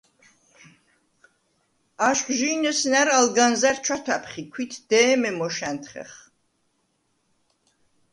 აშხვჟი̄ნ ესნა̈რ ალ განზა̈რ ჩვათვა̈ფხ ი ქვით დე̄მე მოშ ა̈ნთხეხ.